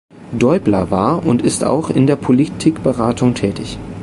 Däubler war und ist auch in der Politikberatung tätig.